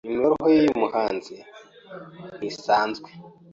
Imibereho yuyu muhanzi ntisanzwe.